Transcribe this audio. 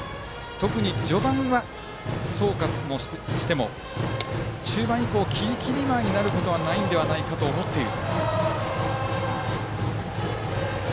特に序盤はそうだったとしても中盤以降はきりきり舞いになることはないのではないかと思っている。